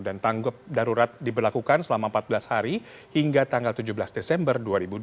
dan tanggap darurat diberlakukan selama empat belas hari hingga tanggal tujuh belas desember dua ribu dua puluh dua